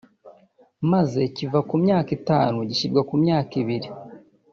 maze kiva ku myaka itanu gishyirwa ku myaka ibiri